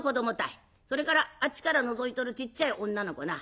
それからあっちからのぞいとるちっちゃい女の子な。